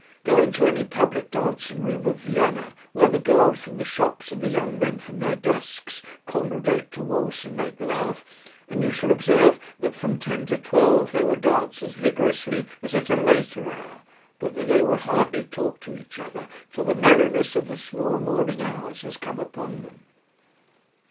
Go into any public dancing room of Vienna, where the girls from the shops and the young men from their desks congregate to waltz and make love, and you shall observe that from ten to twelve they will dance as vigorously as at a later hour, but that they will hardly talk to each other till the mellowness of the small morning hours has come upon them.